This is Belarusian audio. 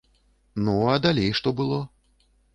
Ну, а далей што было?